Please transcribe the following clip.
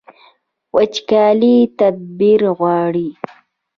وچکالي تدبیر غواړي